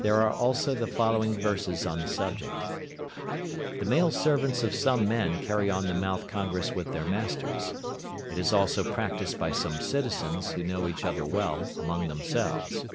There are also the following verses on the subject. "The male servants of some men carry on the mouth congress with their masters. It is also practised by some citizens, who know each other well, among themselves.